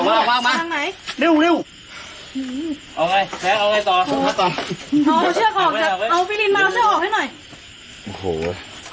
ลงไหนว้างไหนเร็วเร็วเอาไงแพ้งเอาไงต่อ